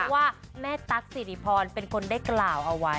ว่าแม่ตั๊กสิริพรเป็นคนได้กล่าวเอาไว้